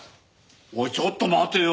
おいちょっと待てよ！